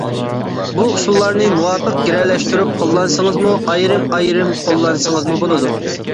بۇ ئۇسۇللارنى مۇۋاپىق گىرەلەشتۈرۈپ قوللانسىڭىزمۇ، ئايرىم-ئايرىم قوللانسىڭىزمۇ بولىدۇ.